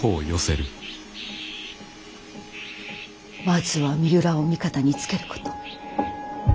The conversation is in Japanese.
まずは三浦を味方につけること。